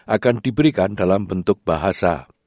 akan diberikan dalam bentuk bahasa